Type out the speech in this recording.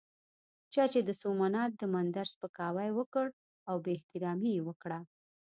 چا چې د سومنات د مندر سپکاوی وکړ او بې احترامي یې وکړه.